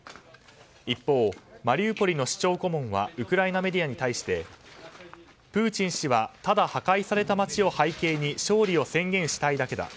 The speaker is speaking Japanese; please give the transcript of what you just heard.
一方、マリウポリの市長顧問はウクライナメディアに対してプーチン氏はただ破壊された街を背景に勝利を宣言したいだけだ。